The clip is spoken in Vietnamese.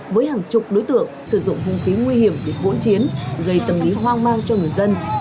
với hàng chục đối tượng sử dụng hung khí nguy hiểm để hỗn chiến gây tâm lý hoang mang cho người dân